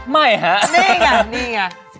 ไม่ฮะนี่ไงนี่ไง